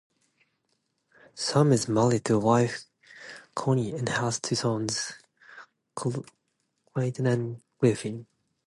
Sam is married to wife, Connie, and has two sons, Clayton and Griffin.